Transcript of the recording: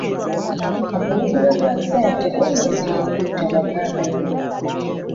Omulugube gwa ssente gwamuleetera okutta baganda be.